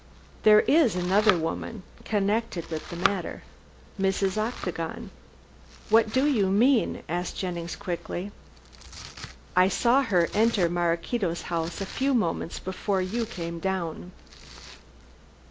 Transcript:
"There is another woman connected with the matter Mrs. Octagon." "What do you mean?" asked Jennings quickly. "I saw her enter Maraquito's house a few moments before you came down."